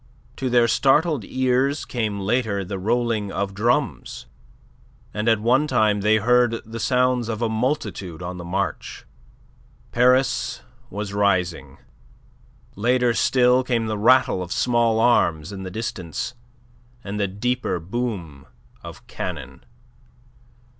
To their startled ears came later the rolling of drums, and at one time they heard the sounds of a multitude on the march. Paris was rising. Later still came the rattle of small arms in the distance and the deeper boom of cannon.